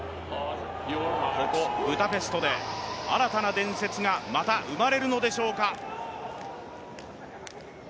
ここブダペストで新たな伝説がまた生まれるのでしょうか。